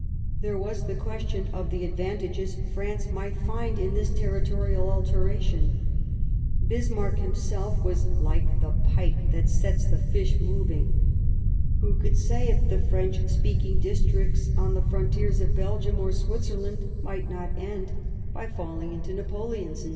There was the question of the advantages France might find in this territorial alteration ; Bismarck himself was " like the pike that sets the fish mov ing "; who could say if the French speaking districts on the frontiers of Belgium or Switzerland might not end by falling into Napoleon's net